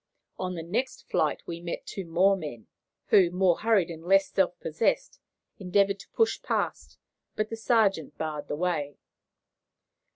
On the next flight we met two more men, who, more hurried and less self possessed, endeavoured to push past; but the sergeant barred the way.